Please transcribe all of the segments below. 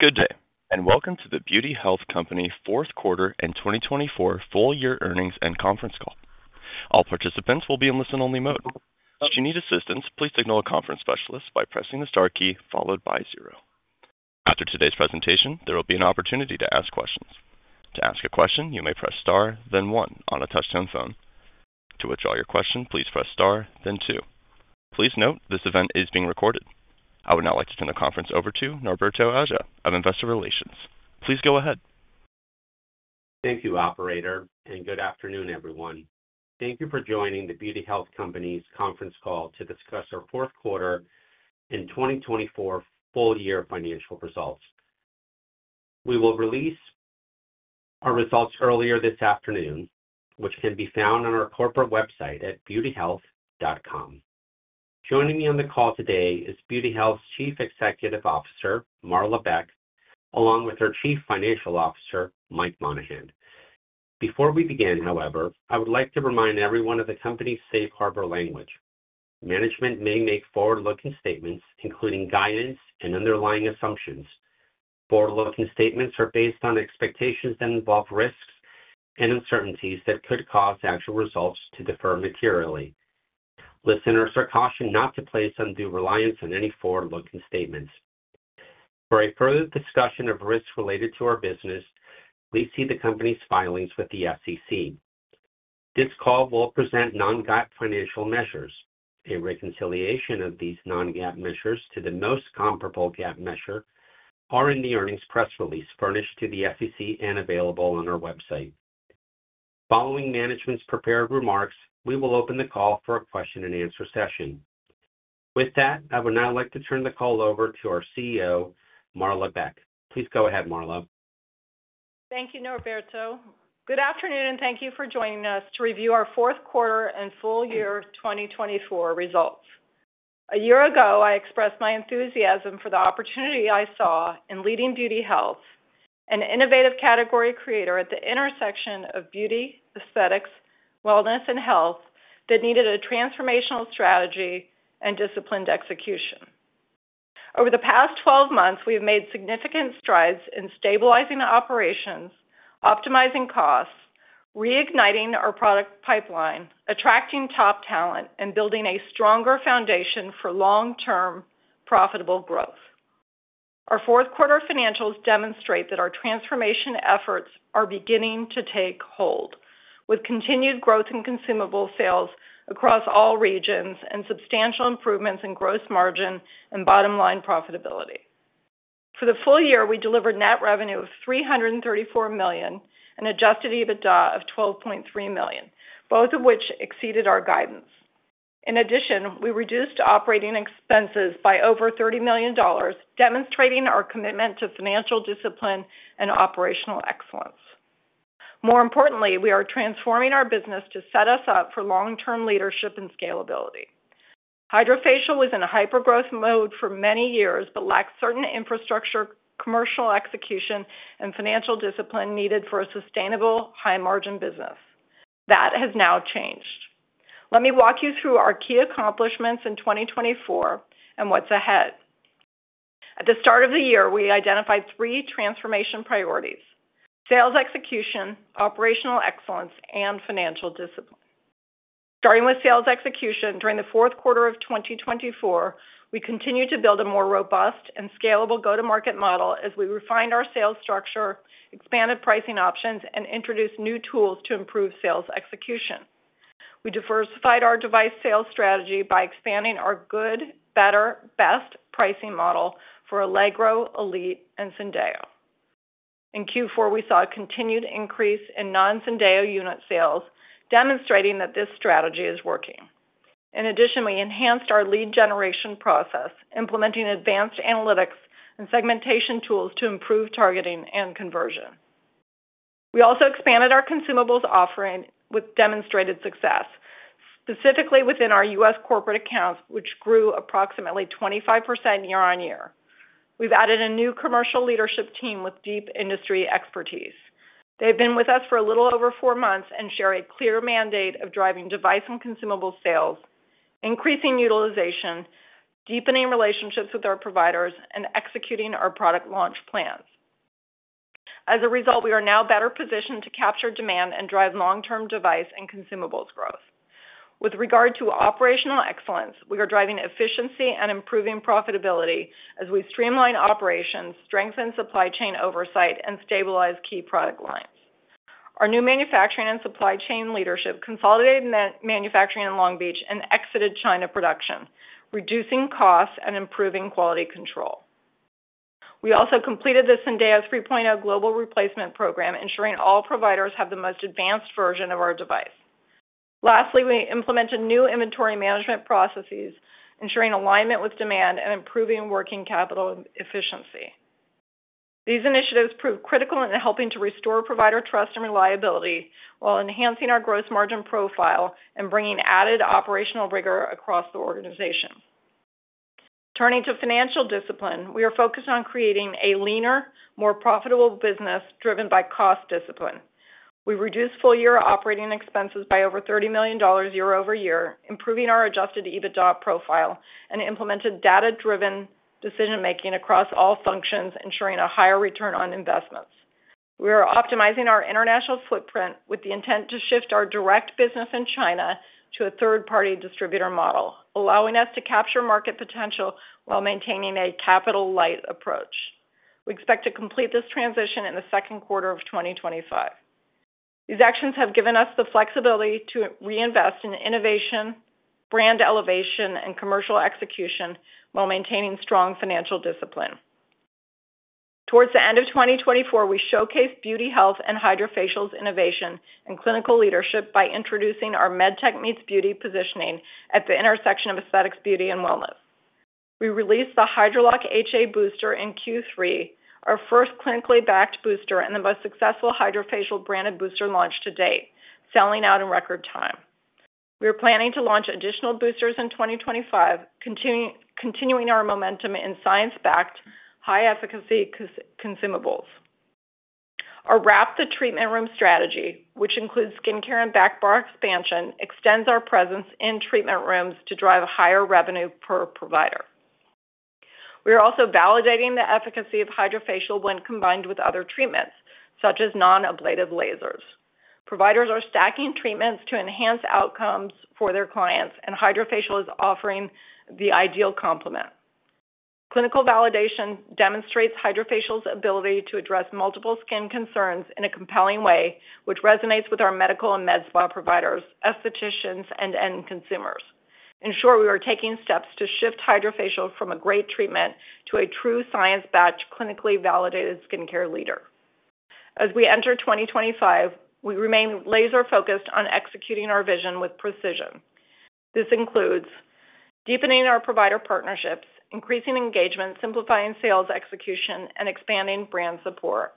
Good day, and welcome to The Beauty Health Company fourth quarter and 2024 full year earnings and conference call. All participants will be in listen-only mode. Should you need assistance, please signal a conference specialist by pressing the star key followed by zero. After today's presentation, there will be an opportunity to ask questions. To ask a question, you may press star, then one on a touch-tone phone. To withdraw your question, please press star, then two. Please note this event is being recorded. I would now like to turn the conference over to Norberto Aja of Investor Relations. Please go ahead. Thank you, Operator, and good afternoon, everyone. Thank you for joining the Beauty Health Company's conference call to discuss our fourth quarter and 2024 full year financial results. We released our results earlier this afternoon, which can be found on our corporate website at beautyhealth.com. Joining me on the call today is Beauty Health's Chief Executive Officer, Marla Beck, along with her Chief Financial Officer, Mike Monahan. Before we begin, however, I would like to remind everyone of the company's safe harbor language. Management may make forward-looking statements, including guidance and underlying assumptions. Forward-looking statements are based on expectations that involve risks and uncertainties that could cause actual results to differ materially. Listeners are cautioned not to place undue reliance on any forward-looking statements. For a further discussion of risks related to our business, please see the company's filings with the SEC. This call will present non-GAAP financial measures. A reconciliation of these non-GAAP measures to the most comparable GAAP measure is in the earnings press release furnished to the SEC and available on our website. Following management's prepared remarks, we will open the call for a question-and-answer session. With that, I would now like to turn the call over to our CEO, Marla Beck. Please go ahead, Marla. Thank you, Norberto. Good afternoon, and thank you for joining us to review our fourth quarter and full year 2024 results. A year ago, I expressed my enthusiasm for the opportunity I saw in leading Beauty Health, an innovative category creator at the intersection of beauty, aesthetics, wellness, and health that needed a transformational strategy and disciplined execution. Over the past 12 months, we have made significant strides in stabilizing operations, optimizing costs, reigniting our product pipeline, attracting top talent, and building a stronger foundation for long-term profitable growth. Our fourth quarter financials demonstrate that our transformation efforts are beginning to take hold, with continued growth in consumable sales across all regions and substantial improvements in gross margin and bottom line profitability. For the full year, we delivered net revenue of $334 million and adjusted EBITDA of $12.3 million, both of which exceeded our guidance. In addition, we reduced operating expenses by over $30 million, demonstrating our commitment to financial discipline and operational excellence. More importantly, we are transforming our business to set us up for long-term leadership and scalability. HydraFacial was in a hyper-growth mode for many years but lacked certain infrastructure, commercial execution, and financial discipline needed for a sustainable high-margin business. That has now changed. Let me walk you through our key accomplishments in 2024 and what's ahead. At the start of the year, we identified three transformation priorities: sales execution, operational excellence, and financial discipline. Starting with sales execution, during the fourth quarter of 2024, we continued to build a more robust and scalable go-to-market model as we refined our sales structure, expanded pricing options, and introduced new tools to improve sales execution. We diversified our device sales strategy by expanding our good, better, best pricing model for Allegro, Elite, and Syndeo. In Q4, we saw a continued increase in non-Syndeo unit sales, demonstrating that this strategy is working. In addition, we enhanced our lead generation process, implementing advanced analytics and segmentation tools to improve targeting and conversion. We also expanded our consumables offering with demonstrated success, specifically within our U.S. corporate accounts, which grew approximately 25% year-on-year. We've added a new commercial leadership team with deep industry expertise. They've been with us for a little over four months and share a clear mandate of driving device and consumable sales, increasing utilization, deepening relationships with our providers, and executing our product launch plans. As a result, we are now better positioned to capture demand and drive long-term device and consumables growth. With regard to operational excellence, we are driving efficiency and improving profitability as we streamline operations, strengthen supply chain oversight, and stabilize key product lines. Our new manufacturing and supply chain leadership consolidated manufacturing in Long Beach and exited China production, reducing costs and improving quality control. We also completed the Syndeo 3.0 Global Replacement Program, ensuring all providers have the most advanced version of our device. Lastly, we implemented new inventory management processes, ensuring alignment with demand and improving working capital efficiency. These initiatives prove critical in helping to restore provider trust and reliability while enhancing our gross margin profile and bringing added operational rigor across the organization. Turning to financial discipline, we are focused on creating a leaner, more profitable business driven by cost discipline. We reduced full-year operating expenses by over $30 million year-over-year, improving our adjusted EBITDA profile, and implemented data-driven decision-making across all functions, ensuring a higher return on investments. We are optimizing our international footprint with the intent to shift our direct business in China to a third-party distributor model, allowing us to capture market potential while maintaining a capital-light approach. We expect to complete this transition in the second quarter of 2025. These actions have given us the flexibility to reinvest in innovation, brand elevation, and commercial execution while maintaining strong financial discipline. Towards the end of 2024, we showcased Beauty Health and HydraFacial's innovation and clinical leadership by introducing our MedTech Meets Beauty positioning at the intersection of aesthetics, beauty, and wellness. We released the HydraLock HA Booster in Q3, our first clinically backed booster and the most successful HydraFacial branded booster launched to date, selling out in record time. We are planning to launch additional boosters in 2025, continuing our momentum in science-backed, high-efficacy consumables. Our Wrap the Treatment Room strategy, which includes skincare and back bar expansion, extends our presence in treatment rooms to drive higher revenue per provider. We are also validating the efficacy of HydraFacial when combined with other treatments, such as non-ablative lasers. Providers are stacking treatments to enhance outcomes for their clients, and HydraFacial is offering the ideal complement. Clinical validation demonstrates HydraFacial's ability to address multiple skin concerns in a compelling way, which resonates with our medical and med spa providers, estheticians, and end consumers. In short, we are taking steps to shift HydraFacial from a great treatment to a true science-backed, clinically validated skincare leader. As we enter 2025, we remain laser-focused on executing our vision with precision. This includes deepening our provider partnerships, increasing engagement, simplifying sales execution, and expanding brand support,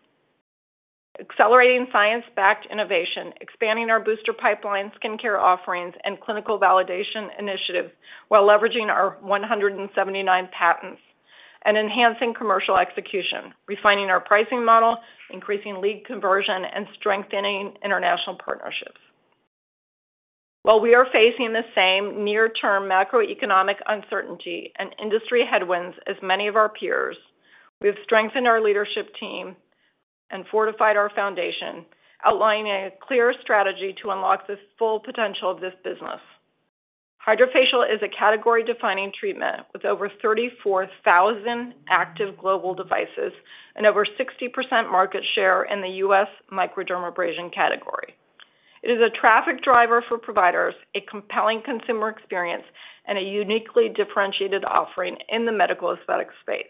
accelerating science-backed innovation, expanding our booster pipeline, skincare offerings, and clinical validation initiatives while leveraging our 179 patents, and enhancing commercial execution, refining our pricing model, increasing lead conversion, and strengthening international partnerships. While we are facing the same near-term macroeconomic uncertainty and industry headwinds as many of our peers, we have strengthened our leadership team and fortified our foundation, outlining a clear strategy to unlock the full potential of this business. HydraFacial is a category-defining treatment with over 34,000 active global devices and over 60% market share in the U.S. microdermabrasion category. It is a traffic driver for providers, a compelling consumer experience, and a uniquely differentiated offering in the medical aesthetics space.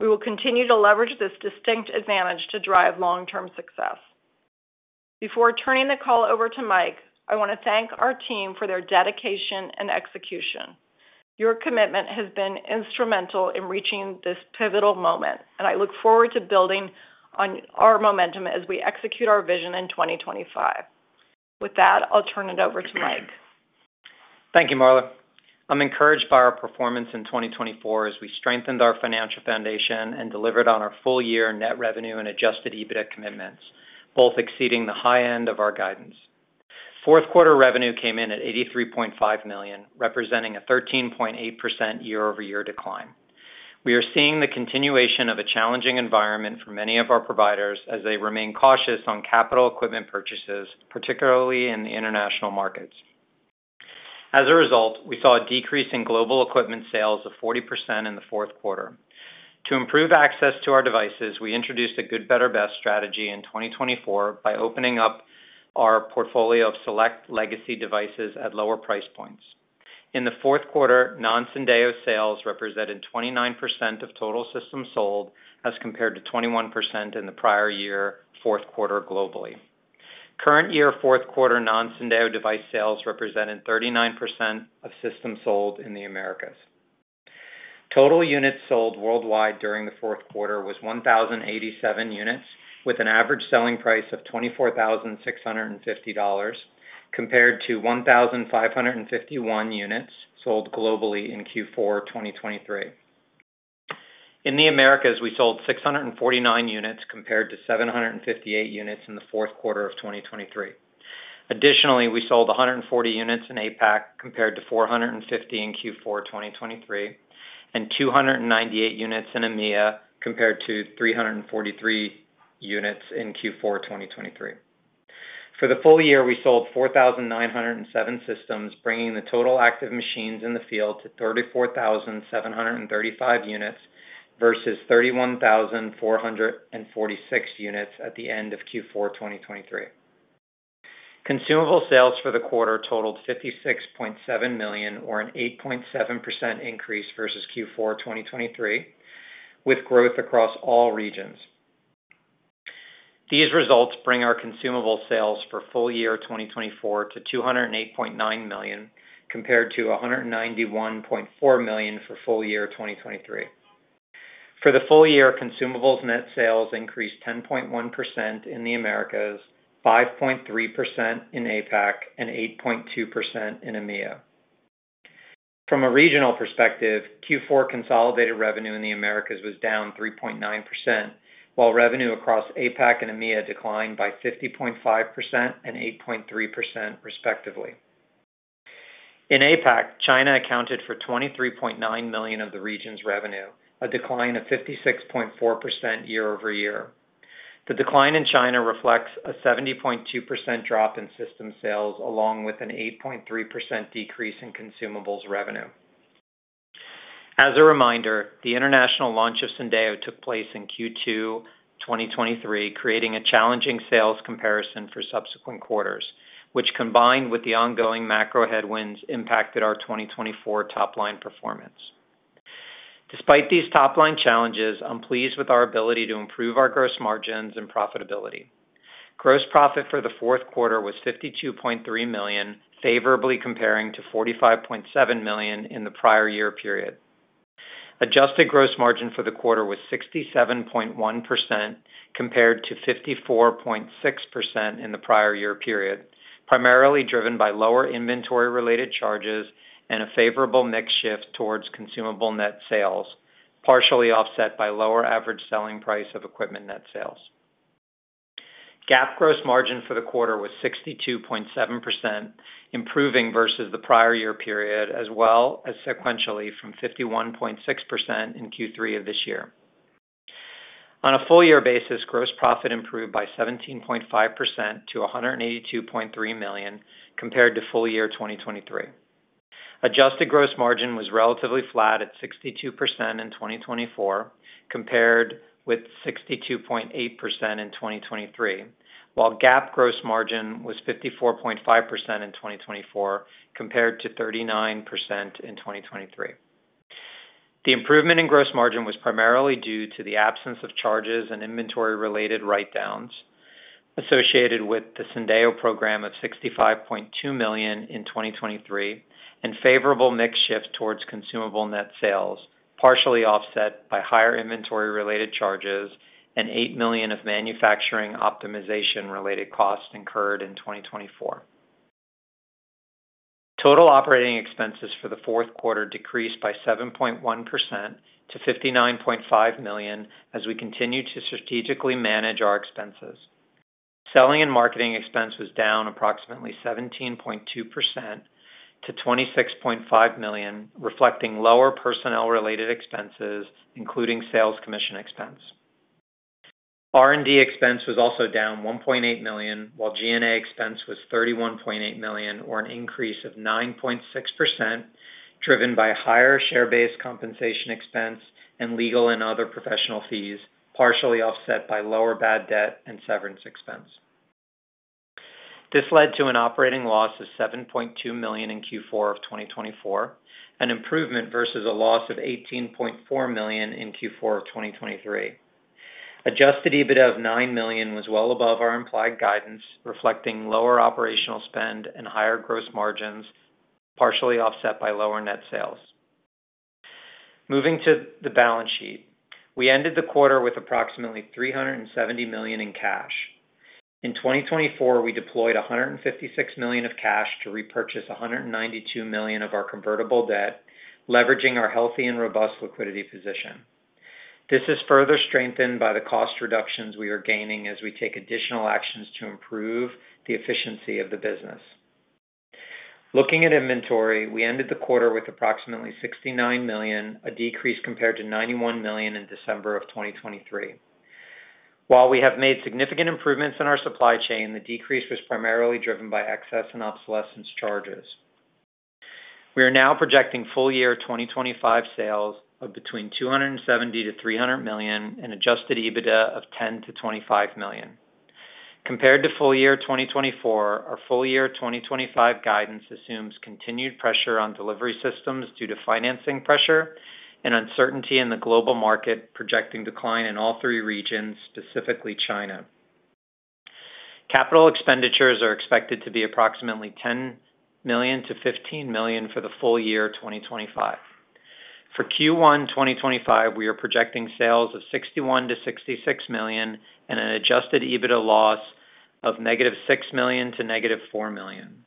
We will continue to leverage this distinct advantage to drive long-term success. Before turning the call over to Mike, I want to thank our team for their dedication and execution. Your commitment has been instrumental in reaching this pivotal moment, and I look forward to building on our momentum as we execute our vision in 2025. With that, I'll turn it over to Mike. Thank you, Marla. I'm encouraged by our performance in 2024 as we strengthened our financial foundation and delivered on our full-year net revenue and adjusted EBITDA commitments, both exceeding the high end of our guidance. Fourth quarter revenue came in at $83.5 million, representing a 13.8% year-over-year decline. We are seeing the continuation of a challenging environment for many of our providers as they remain cautious on capital equipment purchases, particularly in the international markets. As a result, we saw a decrease in global equipment sales of 40% in the fourth quarter. To improve access to our devices, we introduced a good, better, best strategy in 2024 by opening up our portfolio of select legacy devices at lower price points. In the fourth quarter, non-Syndeo sales represented 29% of total systems sold as compared to 21% in the prior year fourth quarter globally. Current year fourth quarter non-Syndeo device sales represented 39% of systems sold in the Americas. Total units sold worldwide during the fourth quarter was 1,087 units with an average selling price of $24,650, compared to 1,551 units sold globally in Q4 2023. In the Americas, we sold 649 units compared to 758 units in the fourth quarter of 2023. Additionally, we sold 140 units in APAC compared to 450 in Q4 2023, and 298 units in EMEA compared to 343 units in Q4 2023. For the full year, we sold 4,907 systems, bringing the total active machines in the field to 34,735 units versus 31,446 units at the end of Q4 2023. Consumable sales for the quarter totaled $56.7 million, or an 8.7% increase versus Q4 2023, with growth across all regions. These results bring our consumable sales for full year 2024 to $208.9 million, compared to $191.4 million for full year 2023. For the full year, consumables net sales increased 10.1% in the Americas, 5.3% in APAC, and 8.2% in EMEA. From a regional perspective, Q4 consolidated revenue in the Americas was down 3.9%, while revenue across APAC and EMEA declined by 50.5% and 8.3%, respectively. In APAC, China accounted for $23.9 million of the region's revenue, a decline of 56.4% year-over-year. The decline in China reflects a 70.2% drop in system sales, along with an 8.3% decrease in consumables revenue. As a reminder, the international launch of Syndeo took place in Q2 2023, creating a challenging sales comparison for subsequent quarters, which, combined with the ongoing macro headwinds, impacted our 2024 top-line performance. Despite these top-line challenges, I'm pleased with our ability to improve our gross margins and profitability. Gross profit for the fourth quarter was $52.3 million, favorably comparing to $45.7 million in the prior year period. Adjusted gross margin for the quarter was 67.1%, compared to 54.6% in the prior year period, primarily driven by lower inventory-related charges and a favorable mix shift towards consumable net sales, partially offset by lower average selling price of equipment net sales. GAAP gross margin for the quarter was 62.7%, improving versus the prior year period, as well as sequentially from 51.6% in Q3 of this year. On a full-year basis, gross profit improved by 17.5% to $182.3 million, compared to full year 2023. Adjusted gross margin was relatively flat at 62% in 2024, compared with 62.8% in 2023, while GAAP gross margin was 54.5% in 2024, compared to 39% in 2023. The improvement in gross margin was primarily due to the absence of charges and inventory-related write-downs associated with the Syndeo program of $65.2 million in 2023, and favorable mix shift towards consumable net sales, partially offset by higher inventory-related charges and $8 million of manufacturing optimization-related costs incurred in 2024. Total operating expenses for the fourth quarter decreased by 7.1% to $59.5 million as we continue to strategically manage our expenses. Selling and marketing expense was down approximately 17.2% to $26.5 million, reflecting lower personnel-related expenses, including sales commission expense. R&D expense was also down $1.8 million, while G&A expense was $31.8 million, or an increase of 9.6%, driven by higher share-based compensation expense and legal and other professional fees, partially offset by lower bad debt and severance expense. This led to an operating loss of $7.2 million in Q4 of 2024, an improvement versus a loss of $18.4 million in Q4 of 2023. Adjusted EBITDA of $9 million was well above our implied guidance, reflecting lower operational spend and higher gross margins, partially offset by lower net sales. Moving to the balance sheet, we ended the quarter with approximately $370 million in cash. In 2024, we deployed $156 million of cash to repurchase $192 million of our convertible debt, leveraging our healthy and robust liquidity position. This is further strengthened by the cost reductions we are gaining as we take additional actions to improve the efficiency of the business. Looking at inventory, we ended the quarter with approximately $69 million, a decrease compared to $91 million in December of 2023. While we have made significant improvements in our supply chain, the decrease was primarily driven by excess and obsolescence charges. We are now projecting full year 2025 sales of between $270 million and $300 million and adjusted EBITDA of $10 million-$25 million. Compared to full year 2024, our full year 2025 guidance assumes continued pressure on delivery systems due to financing pressure and uncertainty in the global market, projecting decline in all three regions, specifically China. Capital expenditures are expected to be approximately $10 million-$15 million for the full year 2025. For Q1 2025, we are projecting sales of $61 million-$66 million and an adjusted EBITDA loss of negative $6 million to negative $4 million.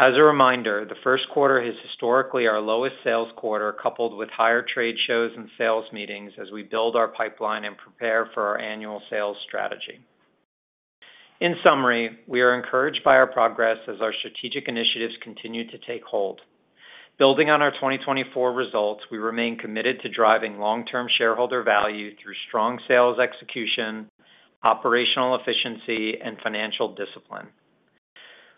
As a reminder, the first quarter is historically our lowest sales quarter, coupled with higher trade shows and sales meetings as we build our pipeline and prepare for our annual sales strategy. In summary, we are encouraged by our progress as our strategic initiatives continue to take hold. Building on our 2024 results, we remain committed to driving long-term shareholder value through strong sales execution, operational efficiency, and financial discipline.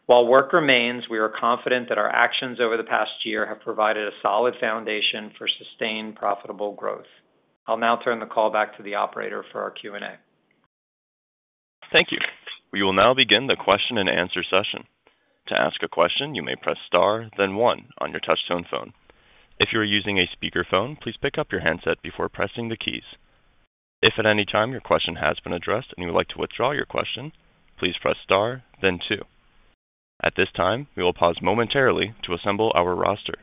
While work remains, we are confident that our actions over the past year have provided a solid foundation for sustained profitable growth. I'll now turn the call back to the operator for our Q&A. Thank you. We will now begin the question-and-answer session. To ask a question, you may press star, then one on your touch-tone phone. If you are using a speakerphone, please pick up your handset before pressing the keys. If at any time your question has been addressed and you would like to withdraw your question, please press star, then two. At this time, we will pause momentarily to assemble our roster.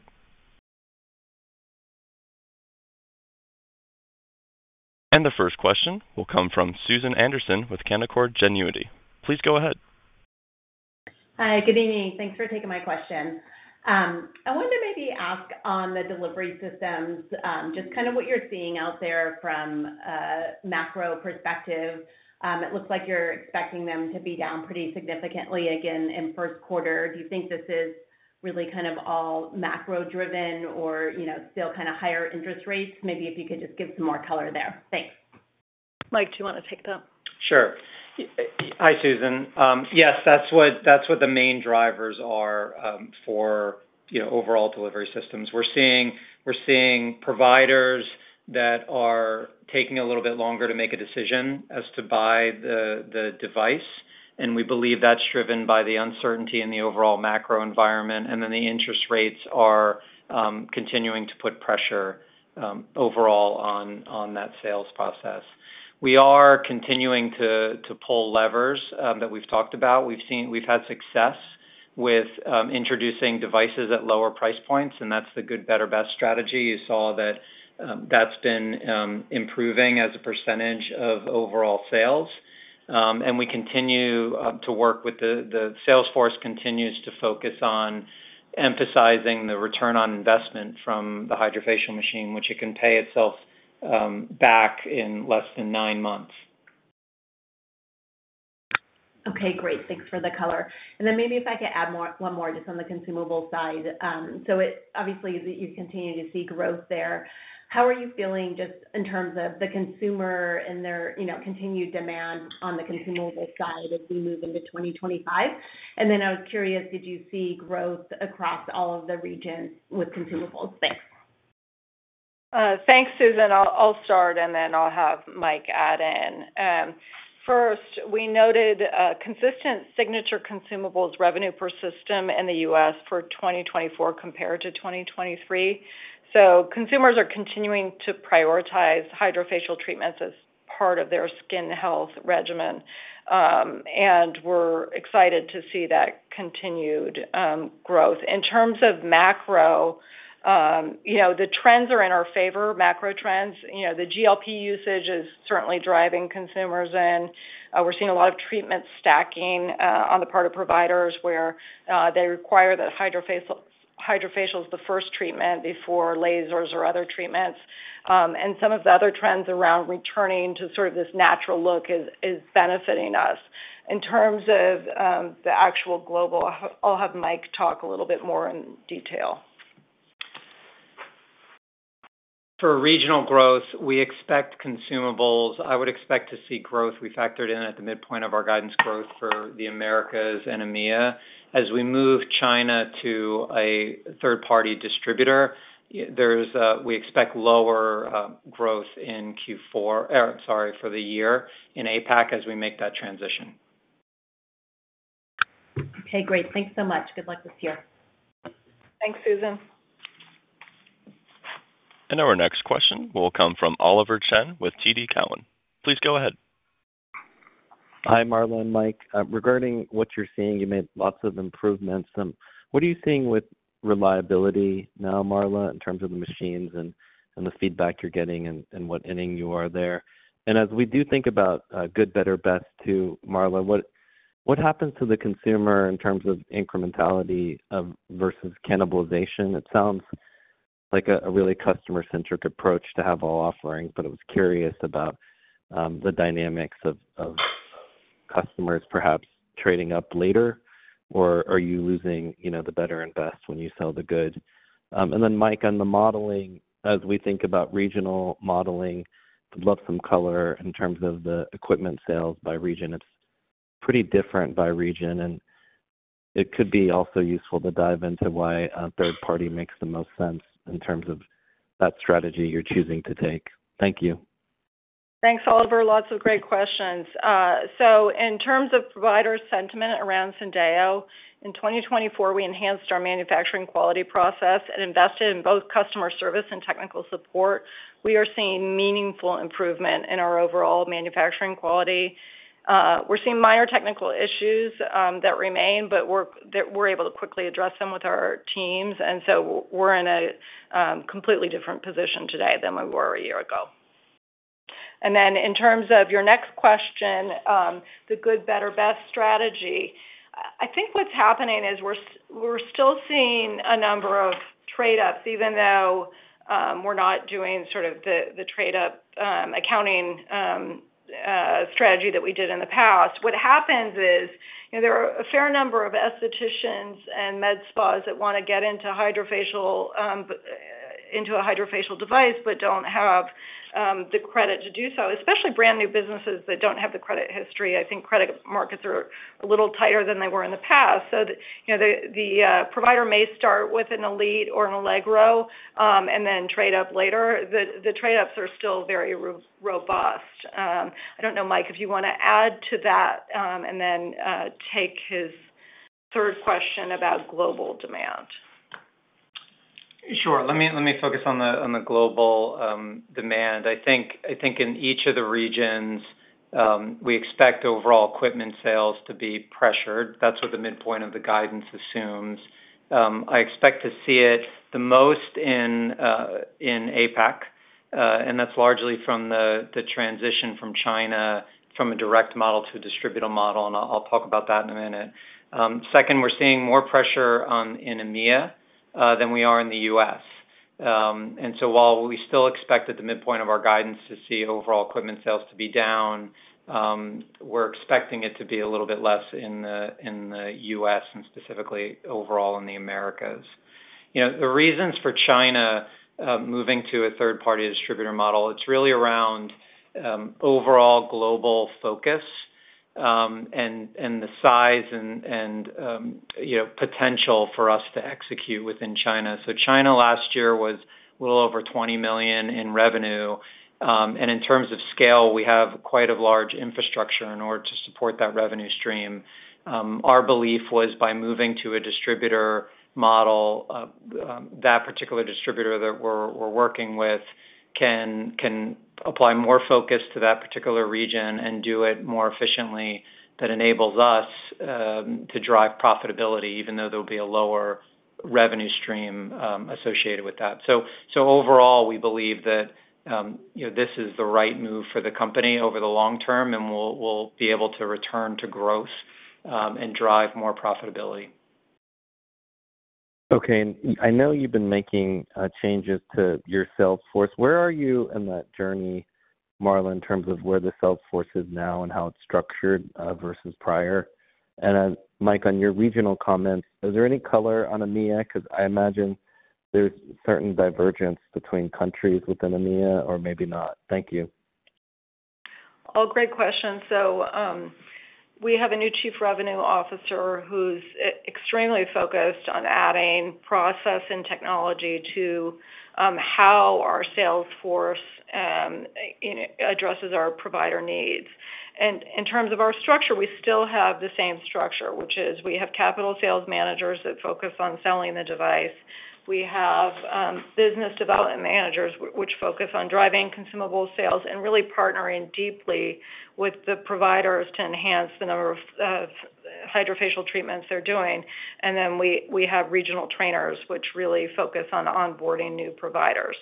The first question will come from Susan Anderson with Canaccord Genuity. Please go ahead. Hi, good evening. Thanks for taking my question. I wanted to maybe ask on the delivery systems, just kind of what you're seeing out there from a macro perspective. It looks like you're expecting them to be down pretty significantly again in first quarter. Do you think this is really kind of all macro-driven or still kind of higher interest rates? Maybe if you could just give some more color there. Thanks. Mike, do you want to take that? Sure. Hi, Susan. Yes, that's what the main drivers are for overall delivery systems. We're seeing providers that are taking a little bit longer to make a decision as to buy the device, and we believe that's driven by the uncertainty in the overall macro environment. The interest rates are continuing to put pressure overall on that sales process. We are continuing to pull levers that we've talked about. We've had success with introducing devices at lower price points, and that's the good, better, best strategy. You saw that that's been improving as a percentage of overall sales. We continue to work with the sales force continues to focus on emphasizing the return on investment from the HydraFacial machine, which it can pay itself back in less than nine months. Okay, great. Thanks for the color. Maybe if I could add one more just on the consumable side. Obviously, you continue to see growth there. How are you feeling just in terms of the consumer and their continued demand on the consumable side as we move into 2025? I was curious, did you see growth across all of the regions with consumables? Thanks. Thanks, Susan. I'll start, and then I'll have Mike add in. First, we noted consistent Signature consumables revenue per system in the U.S. for 2024 compared to 2023. Consumers are continuing to prioritize HydraFacial treatments as part of their skin health regimen, and we're excited to see that continued growth. In terms of macro, the trends are in our favor, macro trends. The GLP usage is certainly driving consumers in. We're seeing a lot of treatment stacking on the part of providers where they require that HydraFacial is the first treatment before lasers or other treatments. Some of the other trends around returning to sort of this natural look is benefiting us. In terms of the actual global, I'll have Mike talk a little bit more in detail. For regional growth, we expect consumables. I would expect to see growth. We factored in at the midpoint of our guidance growth for the Americas and EMEA. As we move China to a third-party distributor, we expect lower growth in Q4, sorry, for the year in APAC as we make that transition. Okay, great. Thanks so much. Good luck this year. Thanks, Susan. Our next question will come from Oliver Chen with TD Cowen. Please go ahead. Hi, Marla and Mike. Regarding what you're seeing, you made lots of improvements. What are you seeing with reliability now, Marla, in terms of the machines and the feedback you're getting and what ending you are there? As we do think about good, better, best too, Marla, what happens to the consumer in terms of incrementality versus cannibalization? It sounds like a really customer-centric approach to have all offerings, but I was curious about the dynamics of customers perhaps trading up later, or are you losing the better and best when you sell the good? Mike, on the modeling, as we think about regional modeling, I'd love some color in terms of the equipment sales by region. It's pretty different by region, and it could be also useful to dive into why a third party makes the most sense in terms of that strategy you're choosing to take. Thank you. Thanks, Oliver. Lots of great questions. In terms of provider sentiment around Syndeo, in 2024, we enhanced our manufacturing quality process and invested in both customer service and technical support. We are seeing meaningful improvement in our overall manufacturing quality. We're seeing minor technical issues that remain, but we're able to quickly address them with our teams. We're in a completely different position today than we were a year ago. In terms of your next question, the good, better, best strategy, I think what's happening is we're still seeing a number of trade-offs, even though we're not doing sort of the trade-off accounting strategy that we did in the past. What happens is there are a fair number of estheticians and med spas that want to get into a HydraFacial device but do not have the credit to do so, especially brand new businesses that do not have the credit history. I think credit markets are a little tighter than they were in the past. The provider may start with an Elite or an Allegro and then trade up later. The trade-offs are still very robust. I do not know, Mike, if you want to add to that and then take his third question about global demand. Sure. Let me focus on the global demand. I think in each of the regions, we expect overall equipment sales to be pressured. That is what the midpoint of the guidance assumes. I expect to see it the most in APAC, and that is largely from the transition from China, from a direct model to a distributor model, and I will talk about that in a minute. Second, we are seeing more pressure in EMEA than we are in the U.S. While we still expect at the midpoint of our guidance to see overall equipment sales to be down, we are expecting it to be a little bit less in the U.S. and specifically overall in the Americas. The reasons for China moving to a third-party distributor model, it is really around overall global focus and the size and potential for us to execute within China. China last year was a little over $20 million in revenue. In terms of scale, we have quite a large infrastructure in order to support that revenue stream. Our belief was by moving to a distributor model, that particular distributor that we're working with can apply more focus to that particular region and do it more efficiently. That enables us to drive profitability, even though there will be a lower revenue stream associated with that. Overall, we believe that this is the right move for the company over the long term, and we'll be able to return to growth and drive more profitability. Okay. I know you've been making changes to your sales force. Where are you in that journey, Marla, in terms of where the sales force is now and how it's structured versus prior? Mike, on your regional comments, is there any color on EMEA? I imagine there's certain divergence between countries within EMEA or maybe not. Thank you. Great question. We have a new Chief Revenue Officer who's extremely focused on adding process and technology to how our sales force addresses our provider needs. In terms of our structure, we still have the same structure, which is we have capital sales managers that focus on selling the device. We have business development managers which focus on driving consumable sales and really partnering deeply with the providers to enhance the number of HydraFacial treatments they're doing. We have regional trainers which really focus on onboarding new providers.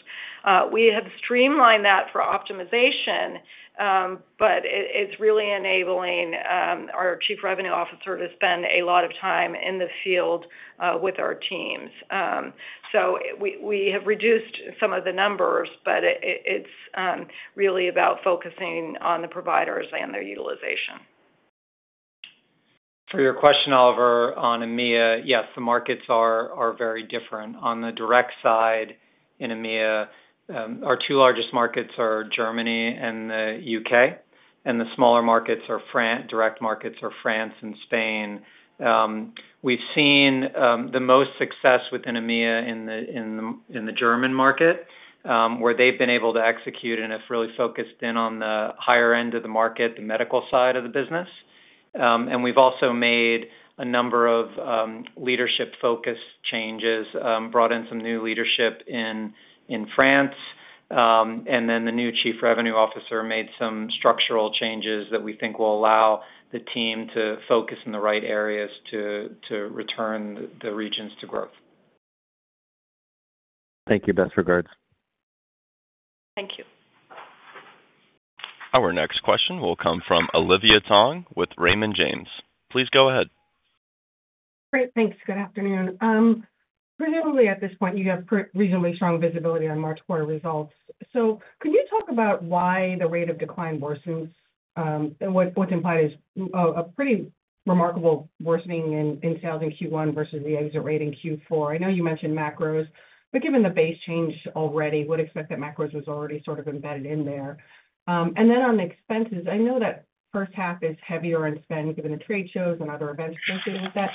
We have streamlined that for optimization, but it's really enabling our Chief Revenue Officer to spend a lot of time in the field with our teams. We have reduced some of the numbers, but it's really about focusing on the providers and their utilization. For your question, Oliver, on EMEA, yes, the markets are very different. On the direct side in EMEA, our two largest markets are Germany and the U.K., and the smaller markets are direct markets are France and Spain. We've seen the most success within EMEA in the German market, where they've been able to execute and have really focused in on the higher end of the market, the medical side of the business. We've also made a number of leadership-focused changes, brought in some new leadership in France, and then the new Chief Revenue Officer made some structural changes that we think will allow the team to focus in the right areas to return the regions to growth. Thank you. Best regards. Thank you. Our next question will come from Olivia Tong with Raymond James. Please go ahead. Great. Thanks. Good afternoon. Presumably at this point, you have reasonably strong visibility on March quarter results. Can you talk about why the rate of decline worsens? What's implied is a pretty remarkable worsening in sales in Q1 versus the exit rate in Q4. I know you mentioned macros, but given the base change already, I would expect that macros was already sort of embedded in there. On expenses, I know that first half is heavier on spend given the trade shows and other events associated with that.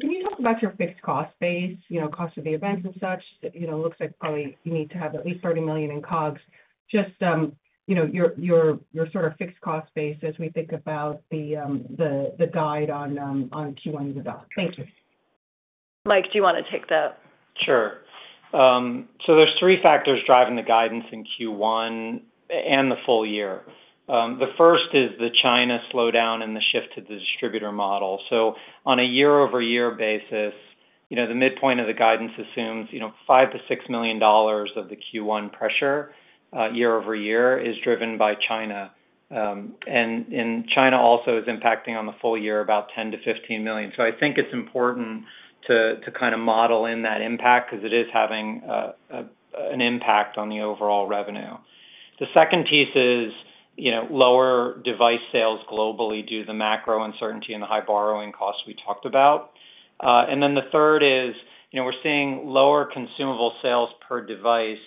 Can you talk about your fixed cost base, cost of the events and such? It looks like probably you need to have at least $30 million in COGS. Just your sort of fixed cost base as we think about the guide on Q1 results? Thank you. Mike, do you want to take that? Sure. There are three factors driving the guidance in Q1 and the full year. The first is the China slowdown and the shift to the distributor model. On a year-over-year basis, the midpoint of the guidance assumes $5 million-$6 million of the Q1 pressure year-over-year is driven by China. China also is impacting on the full year about $10 million-$15 million. I think it is important to kind of model in that impact because it is having an impact on the overall revenue. The second piece is lower device sales globally due to the macro uncertainty and the high borrowing costs we talked about. The third is we are seeing lower consumable sales per device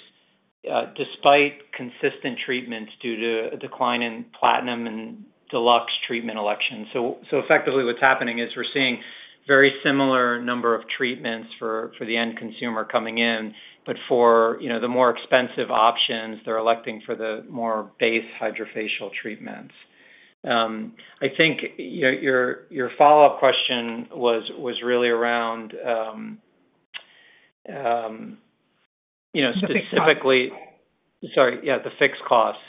despite consistent treatments due to a decline in Platinum and Deluxe treatment elections. Effectively, what's happening is we're seeing very similar number of treatments for the end consumer coming in, but for the more expensive options, they're electing for the more base HydraFacial treatments. I think your follow-up question was really around specifically. Fixed costs. Sorry. Yeah, the fixed costs.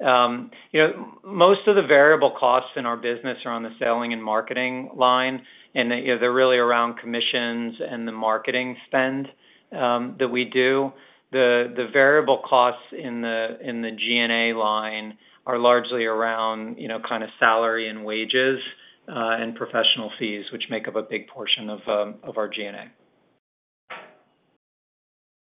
Most of the variable costs in our business are on the selling and marketing line, and they're really around commissions and the marketing spend that we do. The variable costs in the G&A line are largely around kind of salary and wages and professional fees, which make up a big portion of our G&A.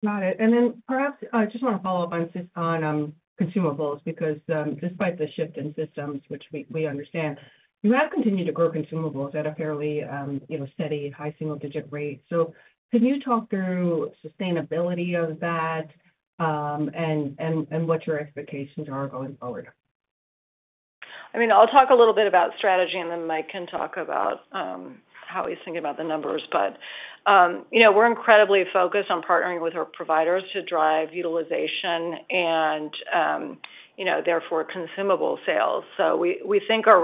Got it. Perhaps I just want to follow up on consumables because despite the shift in systems, which we understand, you have continued to grow consumables at a fairly steady, high single-digit rate. Can you talk through sustainability of that and what your expectations are going forward? I mean, I'll talk a little bit about strategy, and then Mike can talk about how he's thinking about the numbers. We're incredibly focused on partnering with our providers to drive utilization and therefore consumable sales. We think our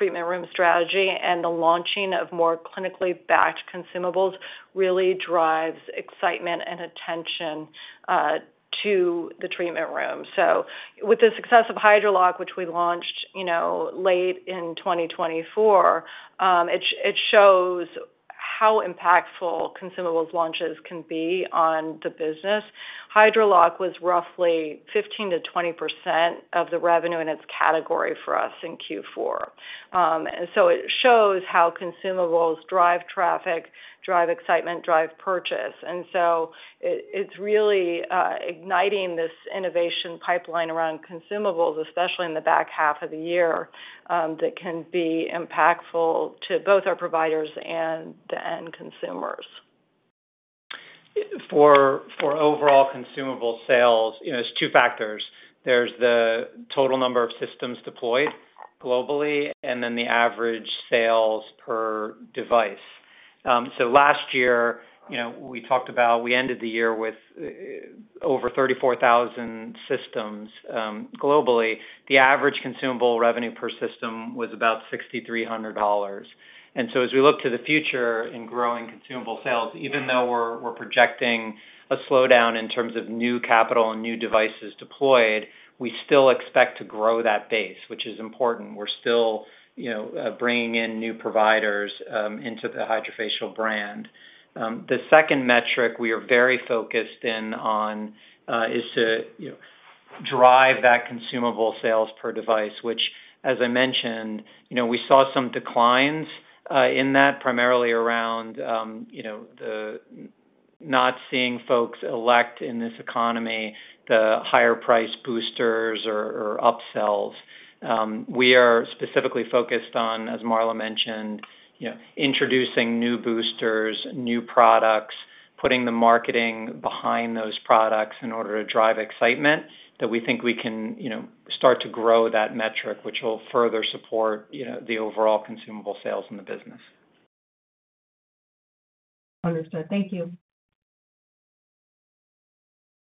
wrap-the-treatment room strategy and the launching of more clinically-backed consumables really drives excitement and attention to the treatment room. With the success of HydraLock, which we launched late in 2024, it shows how impactful consumables launches can be on the business. HydraLock was roughly 15%-20% of the revenue in its category for us in Q4. It shows how consumables drive traffic, drive excitement, drive purchase. It's really igniting this innovation pipeline around consumables, especially in the back half of the year, that can be impactful to both our providers and the end consumers. For overall consumable sales, there's two factors. There's the total number of systems deployed globally and then the average sales per device. Last year, we ended the year with over 34,000 systems globally. The average consumable revenue per system was about $6,300. As we look to the future in growing consumable sales, even though we're projecting a slowdown in terms of new capital and new devices deployed, we still expect to grow that base, which is important. We're still bringing in new providers into the HydraFacial brand. The second metric we are very focused in on is to drive that consumable sales per device, which, as I mentioned, we saw some declines in that, primarily around the not seeing folks elect in this economy the higher-priced boosters or upsells. We are specifically focused on, as Marla mentioned, introducing new boosters, new products, putting the marketing behind those products in order to drive excitement that we think we can start to grow that metric, which will further support the overall consumable sales in the business. Understood. Thank you.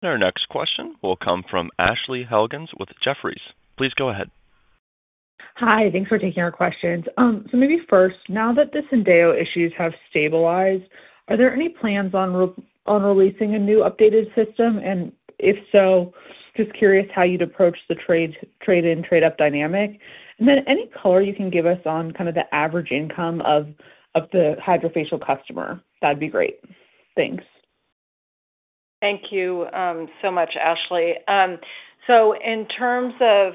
Our next question will come from Ashley Helgans with Jefferies. Please go ahead. Hi. Thanks for taking our questions. Maybe first, now that the Syndeo issues have stabilized, are there any plans on releasing a new updated system? If so, just curious how you'd approach the trade-in trade-up dynamic. Any color you can give us on kind of the average income of the HydraFacial customer. That'd be great. Thanks. Thank you so much, Ashley. In terms of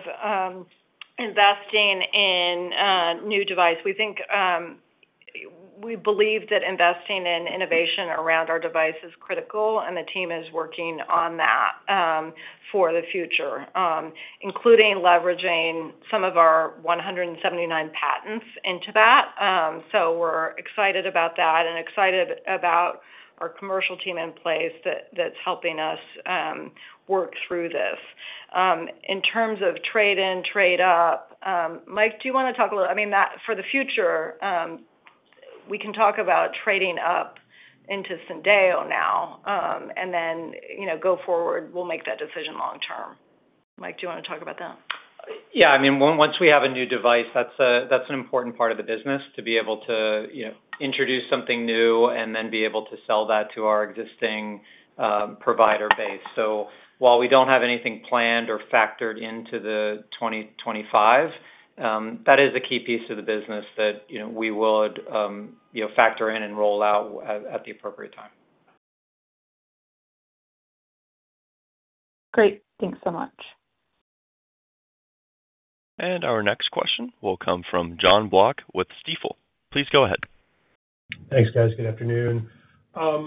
investing in new device, we believe that investing in innovation around our device is critical, and the team is working on that for the future, including leveraging some of our 179 patents into that. We are excited about that and excited about our commercial team in place that is helping us work through this. In terms of trade-in, trade-up, Mike, do you want to talk a little? I mean, for the future, we can talk about trading up into Syndeo now and then go forward. We will make that decision long term. Mike, do you want to talk about that? Yeah. I mean, once we have a new device, that's an important part of the business to be able to introduce something new and then be able to sell that to our existing provider base. While we don't have anything planned or factored into the 2025, that is a key piece of the business that we would factor in and roll out at the appropriate time. Great. Thanks so much. Our next question will come from Jon Block with Stifel. Please go ahead. Thanks, guys. Good afternoon. Marla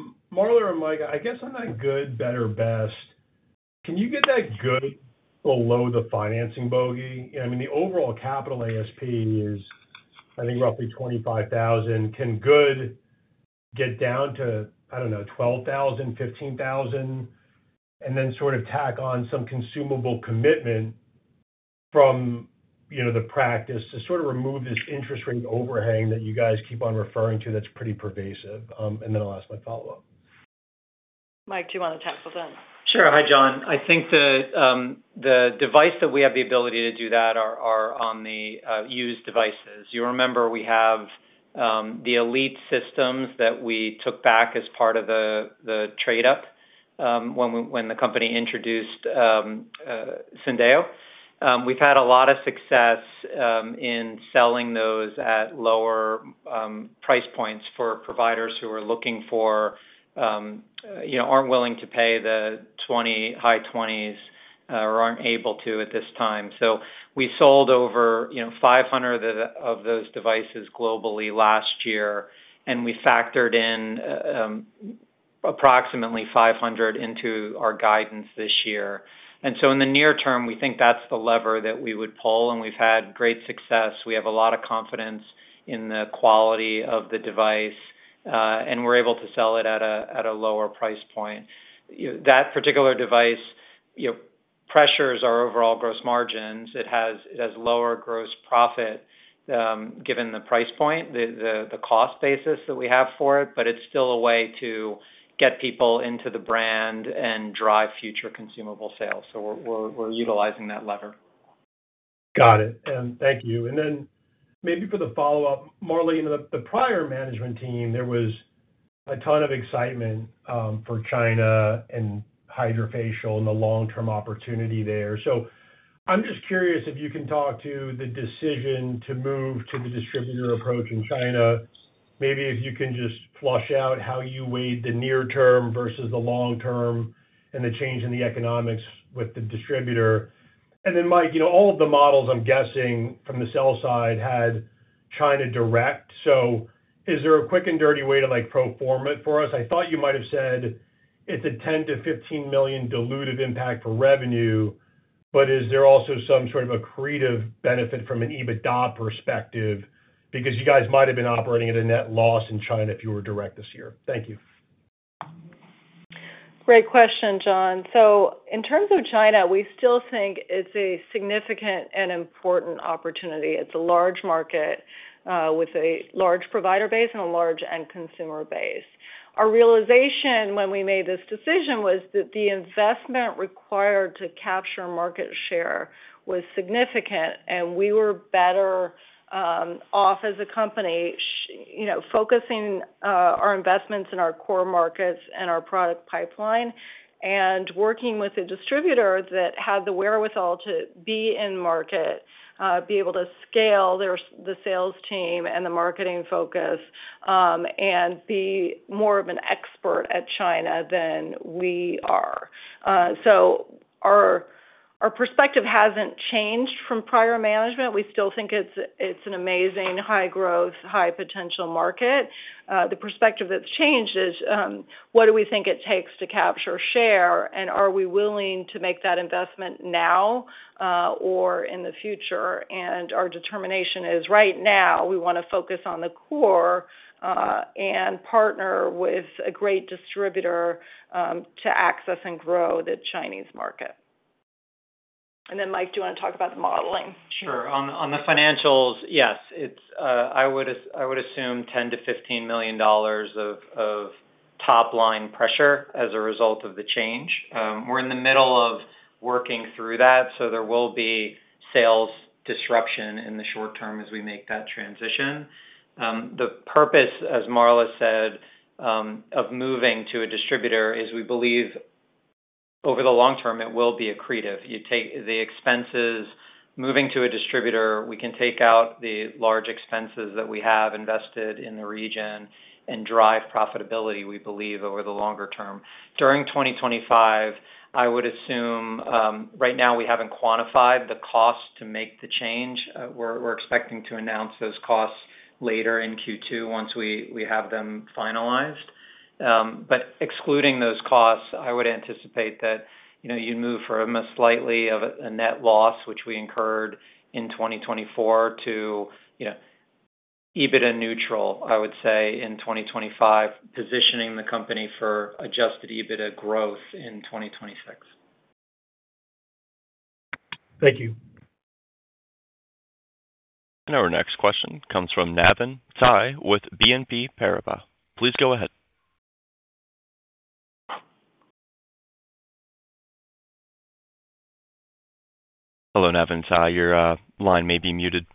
or Mike, I guess on that good, better, best, can you get that good below the financing bogey? I mean, the overall capital ASP is, I think, roughly $25,000. Can good get down to, I do not know, $12,000-$15,000, and then sort of tack on some consumable commitment from the practice to sort of remove this interest rate overhang that you guys keep on referring to that is pretty pervasive? I will ask my follow-up. Mike, do you want to tackle that? Sure. Hi, Jon. I think the device that we have the ability to do that are on the used devices. You remember we have the Elite systems that we took back as part of the trade-up when the company introduced Syndeo. We've had a lot of success in selling those at lower price points for providers who are looking for or aren't willing to pay the high 20s or aren't able to at this time. We sold over 500 of those devices globally last year, and we factored in approximately 500 into our guidance this year. In the near term, we think that's the lever that we would pull. We've had great success. We have a lot of confidence in the quality of the device, and we're able to sell it at a lower price point. That particular device pressures our overall gross margins. It has lower gross profit given the price point, the cost basis that we have for it, but it's still a way to get people into the brand and drive future consumable sales. We are utilizing that lever. Got it. Thank you. Maybe for the follow-up, Marla, the prior management team, there was a ton of excitement for China and HydraFacial and the long-term opportunity there. I'm just curious if you can talk to the decision to move to the distributor approach in China. Maybe if you can just flesh out how you weighed the near term versus the long term and the change in the economics with the distributor. Mike, all of the models, I'm guessing, from the sell side had China direct. Is there a quick and dirty way to pro-form it for us? I thought you might have said it's a $10 million-$15 million diluted impact for revenue, but is there also some sort of accretive benefit from an EBITDA perspective? Because you guys might have been operating at a net loss in China if you were direct this year. Thank you. Great question, Jon. In terms of China, we still think it's a significant and important opportunity. It's a large market with a large provider base and a large end consumer base. Our realization when we made this decision was that the investment required to capture market share was significant, and we were better off as a company focusing our investments in our core markets and our product pipeline and working with a distributor that had the wherewithal to be in market, be able to scale the sales team and the marketing focus, and be more of an expert at China than we are. Our perspective hasn't changed from prior management. We still think it's an amazing high-growth, high-potential market. The perspective that's changed is, what do we think it takes to capture share, and are we willing to make that investment now or in the future? Our determination is right now we want to focus on the core and partner with a great distributor to access and grow the Chinese market. Mike, do you want to talk about the modeling? Sure. On the financials, yes. I would assume $10 million-$15 million of top-line pressure as a result of the change. We're in the middle of working through that, so there will be sales disruption in the short term as we make that transition. The purpose, as Marla said, of moving to a distributor is we believe over the long term it will be accretive. You take the expenses moving to a distributor, we can take out the large expenses that we have invested in the region and drive profitability, we believe, over the longer term. During 2025, I would assume right now we haven't quantified the cost to make the change. We're expecting to announce those costs later in Q2 once we have them finalized. Excluding those costs, I would anticipate that you'd move from a slight net loss, which we incurred in 2024, to EBITDA neutral, I would say, in 2025, positioning the company for adjusted EBITDA growth in 2026. Thank you. Our next question comes from Navann Ty with BNP Paribas. Please go ahead. Hello, Navann Ty. Your line may be muted.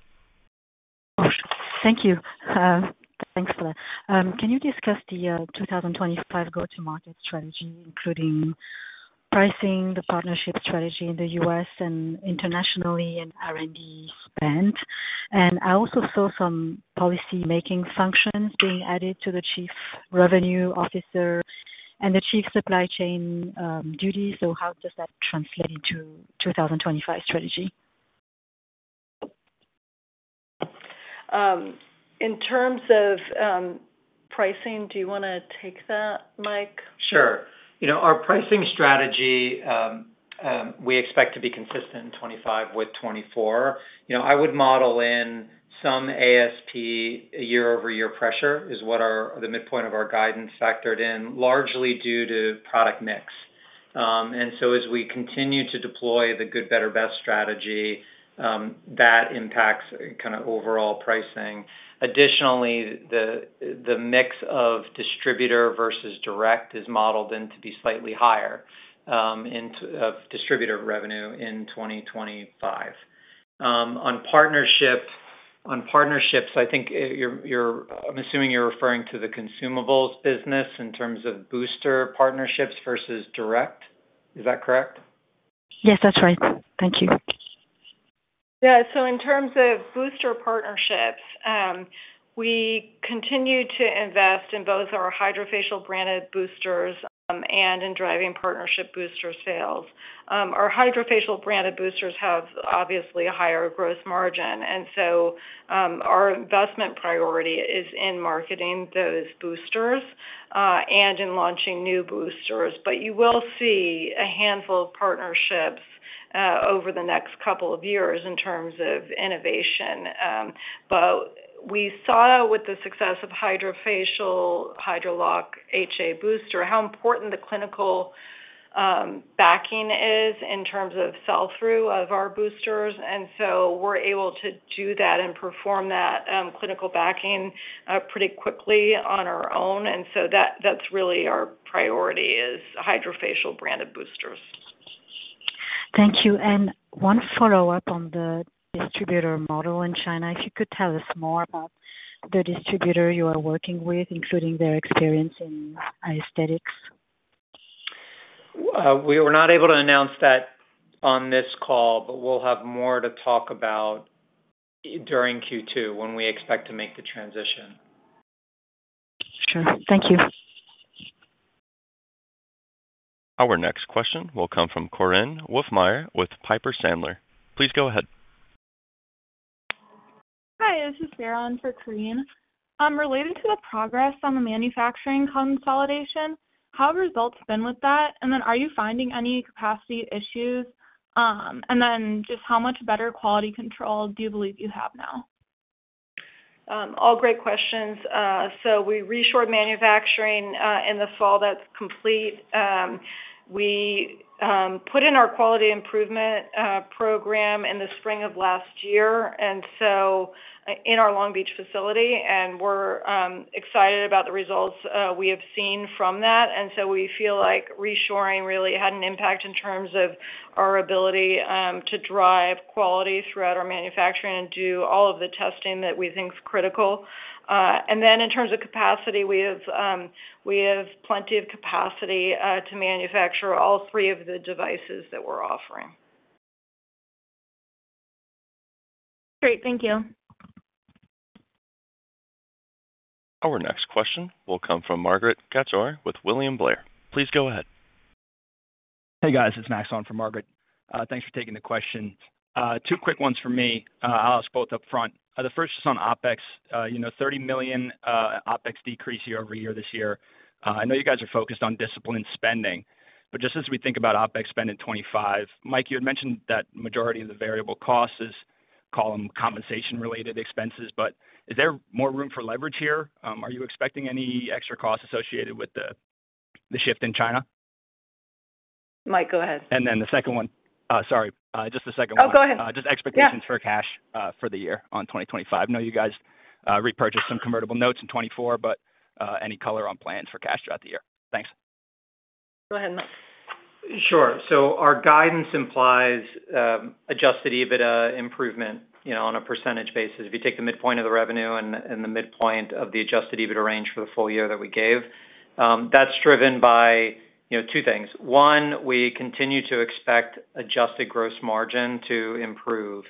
Thank you. Thanks for that. Can you discuss the 2025 go-to-market strategy, including pricing, the partnership strategy in the U.S. and internationally, and R&D spend? I also saw some policymaking functions being added to the Chief Revenue Officer and the Chief Supply Chain duties. How does that translate into the 2025 strategy? In terms of pricing, do you want to take that, Mike? Sure. Our pricing strategy, we expect to be consistent in 2025 with 2024. I would model in some ASP year-over-year pressure is what the midpoint of our guidance factored in, largely due to product mix. As we continue to deploy the good, better, best strategy, that impacts kind of overall pricing. Additionally, the mix of distributor versus direct is modeled in to be slightly higher of distributor revenue in 2025. On partnerships, I think I'm assuming you're referring to the consumables business in terms of booster partnerships versus direct. Is that correct? Yes, that's right. Thank you. Yeah. In terms of booster partnerships, we continue to invest in both our HydraFacial branded boosters and in driving partnership booster sales. Our HydraFacial branded boosters have obviously a higher gross margin. Our investment priority is in marketing those boosters and in launching new boosters. You will see a handful of partnerships over the next couple of years in terms of innovation. We saw with the success of HydraFacial, HydraLock HA Booster, how important the clinical backing is in terms of sell-through of our boosters. We are able to do that and perform that clinical backing pretty quickly on our own. That is really our priority, HydraFacial branded boosters. Thank you. One follow-up on the distributor model in China. If you could tell us more about the distributor you are working with, including their experience in aesthetics. We were not able to announce that on this call, but we'll have more to talk about during Q2 when we expect to make the transition. Sure. Thank you. Our next question will come from Korinne Wolfmeyer with Piper Sandler. Please go ahead. Hi. This is Sarah on for Korinne. Related to the progress on the manufacturing consolidation, how have results been with that? Are you finding any capacity issues? How much better quality control do you believe you have now? All great questions. We reshored manufacturing in the fall, that's complete. We put in our quality improvement program in the spring of last year, in our Long Beach facility. We're excited about the results we have seen from that. We feel like reshoring really had an impact in terms of our ability to drive quality throughout our manufacturing and do all of the testing that we think is critical. In terms of capacity, we have plenty of capacity to manufacture all three of the devices that we're offering. Great. Thank you. Our next question will come from Margaret Kaczor with William Blair. Please go ahead. Hey, guys. It's Max on for Margaret. Thanks for taking the question. Two quick ones for me. I'll ask both upfront. The first is on OpEx. $30 million OpEx decrease year-over-year this year. I know you guys are focused on discipline spending, but just as we think about OpEx spend in 2025, Mike, you had mentioned that majority of the variable costs is, call them, compensation-related expenses. Is there more room for leverage here? Are you expecting any extra costs associated with the shift in China? Mike, go ahead. The second one, sorry. Just the second one. Oh, go ahead. Yeah. Just expectations for cash for the year on 2025. I know you guys repurchased some convertible notes in 2024, but any color on plans for cash throughout the year? Thanks. Go ahead, Mike. Sure. Our guidance implies adjusted EBITDA improvement on a percentage basis. If you take the midpoint of the revenue and the midpoint of the adjusted EBITDA range for the full year that we gave, that's driven by two things. One, we continue to expect adjusted gross margin to improve.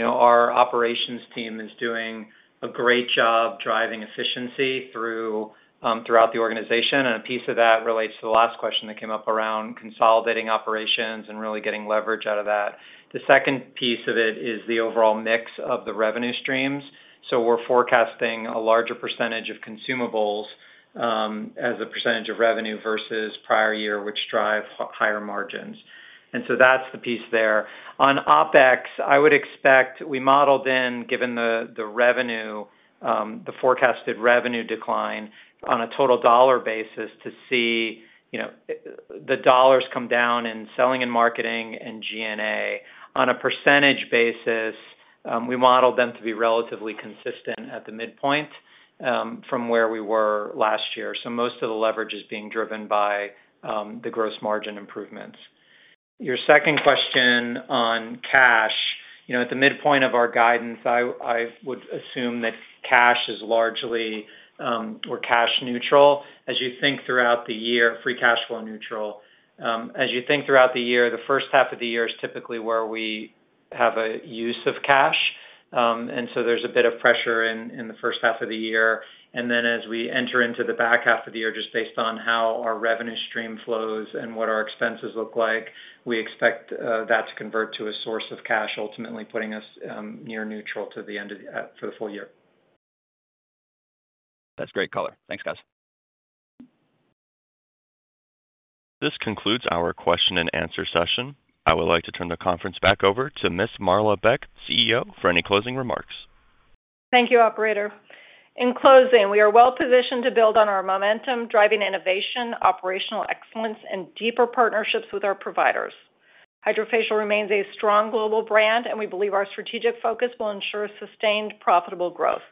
Our operations team is doing a great job driving efficiency throughout the organization. A piece of that relates to the last question that came up around consolidating operations and really getting leverage out of that. The second piece of it is the overall mix of the revenue streams. We're forecasting a larger percentage of consumables as a percentage of revenue versus prior year, which drive higher margins. That's the piece there. On OpEx, I would expect we modeled in, given the forecasted revenue decline on a total dollar basis, to see the dollars come down in selling and marketing and G&A. On a percentage basis, we modeled them to be relatively consistent at the midpoint from where we were last year. Most of the leverage is being driven by the gross margin improvements. Your second question on cash, at the midpoint of our guidance, I would assume that cash is largely, we're cash neutral. As you think throughout the year, free cash flow neutral, as you think throughout the year, the first half of the year is typically where we have a use of cash. There is a bit of pressure in the first half of the year. As we enter into the back half of the year, just based on how our revenue stream flows and what our expenses look like, we expect that to convert to a source of cash, ultimately putting us near neutral to the end of the for the full year. That's great color. Thanks, guys. This concludes our question-and-answer session. I would like to turn the conference back over to Ms. Marla Beck, CEO, for any closing remarks. Thank you, operator. In closing, we are well-positioned to build on our momentum, driving innovation, operational excellence, and deeper partnerships with our providers. HydraFacial remains a strong global brand, and we believe our strategic focus will ensure sustained profitable growth.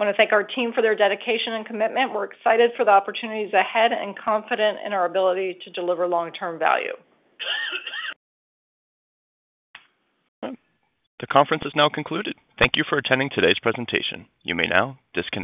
I want to thank our team for their dedication and commitment. We're excited for the opportunities ahead and confident in our ability to deliver long-term value. The conference is now concluded. Thank you for attending today's presentation. You may now disconnect.